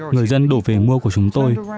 người dân đổ về mua của chúng tôi